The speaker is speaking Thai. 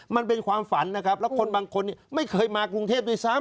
มันเป็นความฝันนะครับแล้วคนบางคนไม่เคยมากรุงเทพด้วยซ้ำ